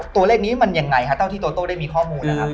ตัวเลขนี้มันอย่างไรเพราะว่ามีข้อมูล